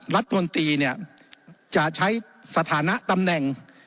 รัฐมนตรีเนี่ยจะใช้สถานะตำแหน่ง